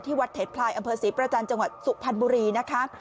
วัดเทศพลายอำเภอศรีประจันทร์จังหวัดสุพรรณบุรีนะคะ